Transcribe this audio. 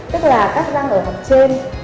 tức là các răng ở hàm trên